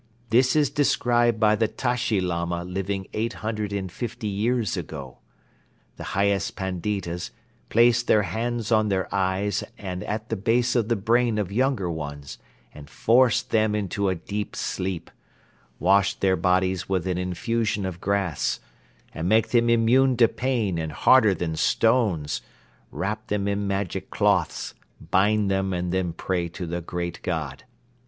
This is described by the Tashi Lama living eight hundred and fifty years ago. The highest Panditas place their hands on their eyes and at the base of the brain of younger ones and force them into a deep sleep, wash their bodies with an infusion of grass and make them immune to pain and harder than stones, wrap them in magic cloths, bind them and then pray to the Great God.